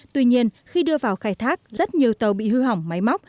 tuy nhiên khi đưa vào khai thác rất nhiều tàu bị hư hỏng máy móc